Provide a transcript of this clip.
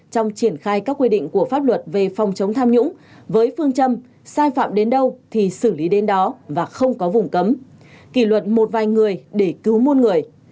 trong triển khai các quy định của pháp luật về phòng chống tham nhũng với phương châm sai phạm đến đâu thì xử lý đến đó và không có vùng cấm kỷ luật một vài người để cứu muôn người